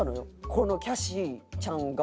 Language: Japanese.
このキャシーちゃんが。